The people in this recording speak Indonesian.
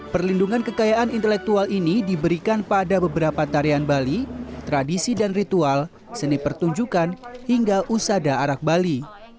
perlindungan kekayaan intelektual ini diberikan pada beberapa tarian bali tradisi dan ritual seni pertunjukan hingga usada arak bali